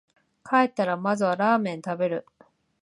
帰ったらまずはラーメン食べる